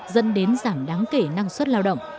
dẫn đến giảm đáng kể năng suất lao động